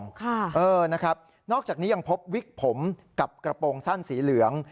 ค่ะเออนะครับนอกจากนี้ยังพบวิกผมกับกระโปรงสั้นสีเหลือง